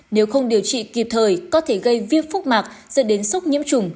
nếu không điều trị kịp thời có thể gây viêm phúc mạc dẫn đến sốc nhiễm trùng